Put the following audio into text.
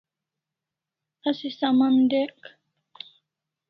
Asi saman dyek